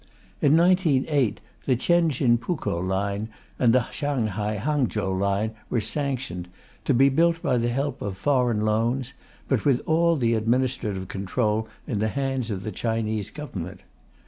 In 1908, the Tientsin Pukow line and the Shanghai Hangchow line were sanctioned, to be built by the help of foreign loans, but with all the administrative control in the hands of the Chinese Government.